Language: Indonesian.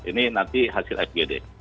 ini nanti hasil fgd